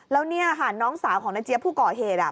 แล้วเนี่ยค่ะน้องสาวของนายเจี๊ยบผู้ก่อเหตุ